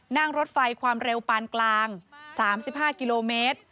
นั่งรถไฟความเร็วปานกลาง๓๕กิโลเมตร